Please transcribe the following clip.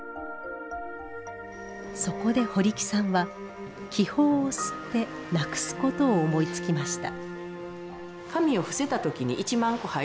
そこで堀木さんは気泡を吸ってなくすことを思いつきました。